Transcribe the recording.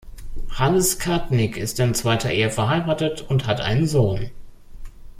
Hannes Kartnig ist in zweiter Ehe verheiratet und hat einen Sohn.